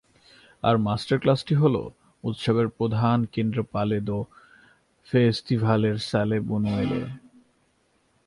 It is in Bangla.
আর মাস্টারক্লাসটি হলো উৎসবের প্রধান কেন্দ্র পালে দো ফেস্তিভালের স্যালে বুনুয়েলে।